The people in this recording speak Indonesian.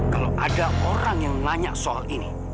kalau ada orang yang nanya soal ini